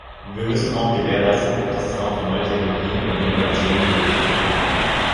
Wir müssen auch gewährleisten, dass es Raum für neue Technologien und Innovationen gibt.